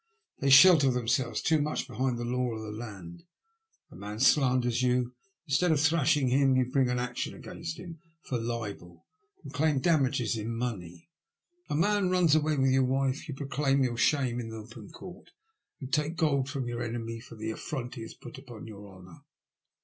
They shelter themselves too much behind the law of the land. A man slanders you ; instead of thrashing him you bring an action against him for Ubel| and claim damages in money. A man runs eO THE LUST OF HATE. away with your wife; you proclaim your shame in open court, and take gold from your enemy for the affront he has put upon your honour.